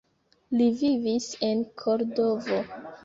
Li vivis en Kordovo.